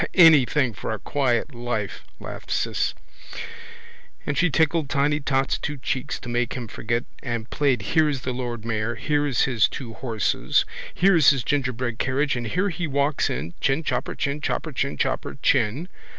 —Anything for a quiet life, laughed Ciss. And she tickled tiny tot's two cheeks to make him forget and played here's the lord mayor, here's his two horses, here's his gingerbread carriage and here he walks in, chinchopper, chinchopper, chinchopper chin.